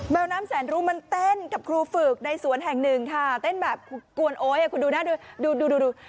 วน้ำแสนรู้มันเต้นกับครูฝึกในสวนแห่งหนึ่งค่ะเต้นแบบกวนโอ๊ยคุณดูหน้าดูดู